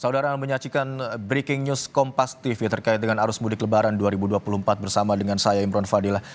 saudara menyaksikan breaking news kompas tv terkait dengan arus mudik lebaran dua ribu dua puluh empat bersama dengan saya imron fadilah